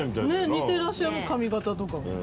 似てらっしゃる髪形とか。